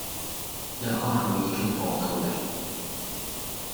一開口已經火到黎